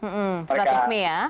hmm surat resmi ya